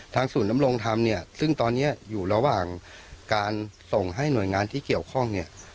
ศูนย์นำรงธรรมเนี่ยซึ่งตอนนี้อยู่ระหว่างการส่งให้หน่วยงานที่เกี่ยวข้องเนี่ย